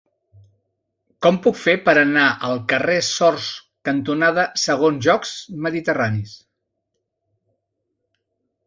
Com ho puc fer per anar al carrer Sors cantonada Segons Jocs Mediterranis?